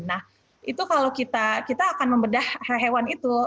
nah itu kalau kita akan membedah hewan itu